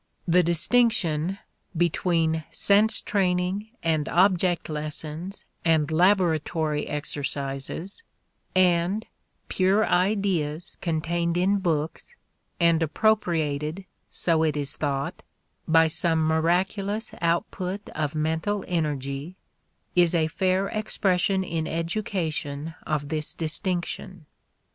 The distinction between sense training and object lessons and laboratory exercises, and pure ideas contained in books, and appropriated so it is thought by some miraculous output of mental energy, is a fair expression in education of this distinction.